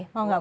mau gak bu